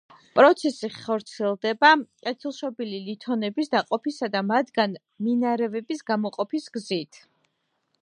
პროცესი ხორციელდება კეთილშობილი ლითონების დაყოფისა და მათგან მინარევების გამოყოფის გზით.